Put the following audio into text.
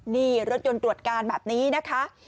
นี่รถยนต์ตรวจการแบบนี้นะคะ